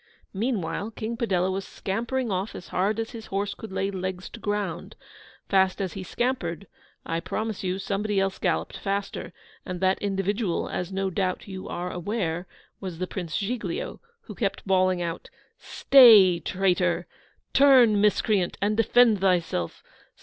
Meanwhile King Padella was scampering off as hard as his horse could lay legs to ground. Fast as he scampered, I promise you somebody else galloped faster; and that individual, as no doubt you are aware, was the Royal Giglio, who kept bawling out, 'Stay, traitor! Turn, miscreant, and defend thyself!